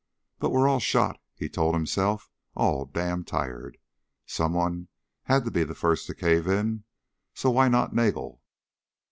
But we're all shot, he told himself all damned tired. Someone had to be the first to cave in. So why not Nagel?